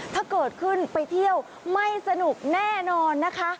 ถ้าเกิดขึ้นไปเที่ยวไม่สนุกแน่นอนนะคะ